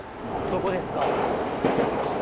どこですか？